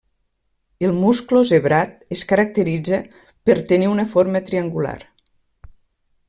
El musclo zebrat es caracteritza per tenir una forma triangular.